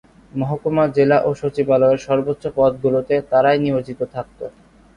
মহকুমা, জেলা ও সচিবালয়ের সর্বোচ্চ পদগুলোতে তাঁরাই নিয়োজিত থাকত।